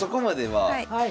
はい。